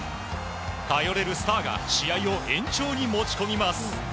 頼れるスターが試合を延長に持ち込みます。